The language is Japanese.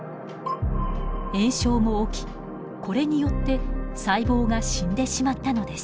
炎症も起きこれによって細胞が死んでしまったのです。